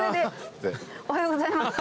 「おはようございます」って。